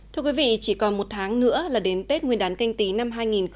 thưa quý vị chỉ còn một tháng nữa là đến tết nguyên đán canh tí năm hai nghìn hai mươi